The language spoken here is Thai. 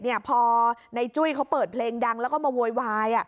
พอในจุ้ยเขาเปิดเพลงดังแล้วก็มาโวยวาย